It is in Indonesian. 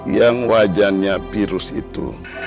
yang wajahnya virus itu